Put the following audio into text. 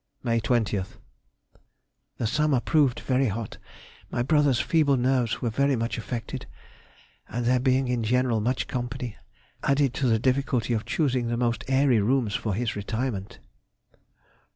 May 20th. The summer proved very hot; my brother's feeble nerves were very much affected, and there being in general much company, added to the difficulty of choosing the most airy rooms for his retirement.